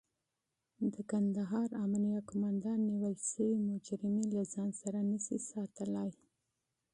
د کندهار امنيه قوماندان نيول شوي مجرمين له ځان سره نشي ساتلای.